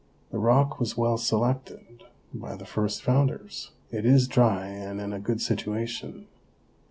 The rock was well selected by the first founders. It is dry and in a good situation.